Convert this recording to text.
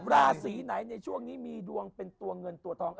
ราศีไหนในช่วงนี้มีดวงเป็นตัวเงินตัวทอง